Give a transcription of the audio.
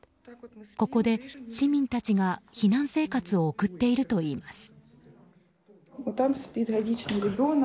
ここで市民たちが避難生活を送っているといいます。